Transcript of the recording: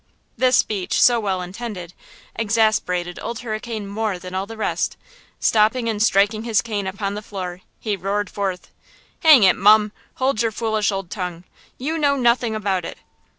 This speech, so well intended, exasperated Old Hurricane more than all the rest; stopping and striking his cane upon the floor, he roared forth: "Hang it, mum! hold your foolish old tongue! You know nothing about it!